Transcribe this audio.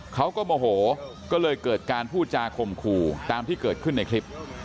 เขาก็โมโหก็เลยเกิดการพูดจาข่มขู่ตามที่เกิดขึ้นในคลิป